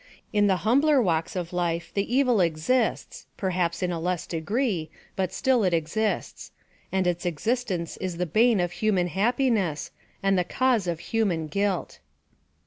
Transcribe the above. In the humbler walks of life the evil ex ists, perhaps in a less degree, but still it exists ; and its existence is the bane of human happiness, and the cause of human guilt.